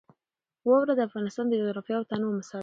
واوره د افغانستان د جغرافیوي تنوع مثال دی.